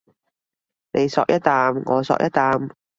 你嗦一啖我嗦一啖